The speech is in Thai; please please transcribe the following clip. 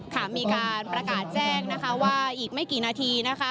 ค่ะมีการประกาศแจ้งนะคะว่าอีกไม่กี่นาทีนะคะ